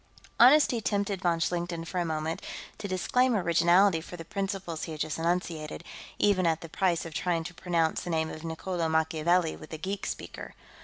Honesty tempted von Schlichten, for a moment, to disclaim originality for the principles he had just enunciated, even at the price of trying to pronounce the name of Niccolo Machiavelli with a geek speaker.